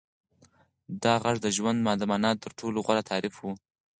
دا غږ د ژوند د مانا تر ټولو غوره تعریف و.